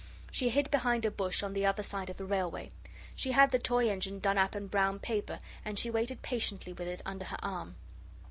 She hid behind a bush on the other side of the railway. She had the toy engine done up in brown paper, and she waited patiently with it under her arm.